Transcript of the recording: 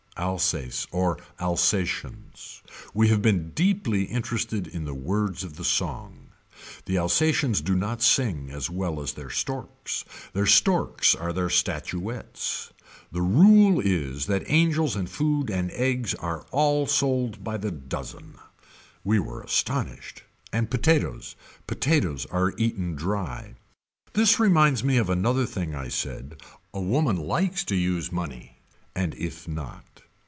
Alsace or Alsatians. We have been deeply interested in the words of the song. The Alsatians do not sing as well as their storks. Their storks are their statuettes. The rule is that angels and food and eggs are all sold by the dozen. We were astonished. And potatoes Potatoes are eaten dry. This reminds me of another thing I said. A woman likes to use money. And if not.